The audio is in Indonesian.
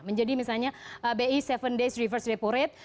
menjadi misalnya bi tujuh days reverse repo rate